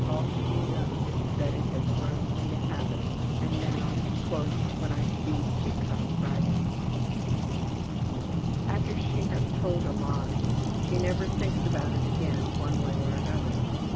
All that she knows is that it has grown to be a habit and now ``when I speak it comes right out.'' After she has told a lie she never thinks about it again one way or another.